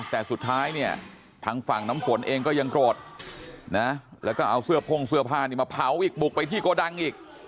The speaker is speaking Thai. แต่สุดท้ายเนี่ยทางฝั่งน้ำฝนเองก็ยังโกรธนะแล้วก็เอาเสื้อโพ่งเสื้อผ้านี่มาเผาอีกบุกไปที่โกดังอีก